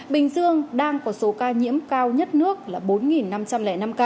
bình dương đang có số ca nhiễm cao nhất nước là bốn năm trăm linh năm ca